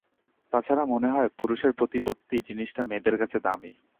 তা ছাড়া মনে হয়, পুরুষের প্রতিপত্তি জিনিসটা মেয়েদের কাছে দামী।